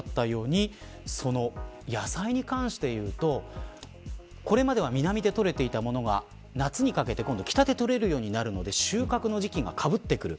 まさに今、解説があったように野菜に関していうとこれまでは南でとれていたものが夏にかけて今度は北で採れるようになるので収穫の時期がかぶってくる。